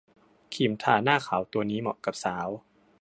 ครีมทาหน้าขาวตัวนี้เหมาะกับสาว